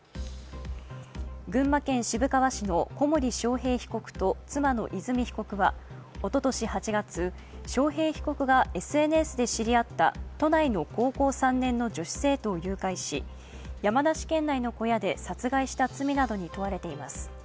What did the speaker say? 群馬県渋川市の小森章平被告と妻の和美被告はおととし８月、章平被告がＳＮＳで知り合った都内の高校３年の女子生徒を誘拐し、山梨県内の小屋で殺害した罪などに問われています。